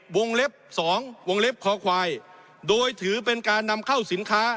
เล็บสองวงเล็บคอควายโดยถือเป็นการนำเข้าสินค้า